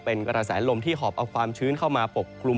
เป็นกระแสลมที่หอบเอาความชื้นเข้ามาปกคลุม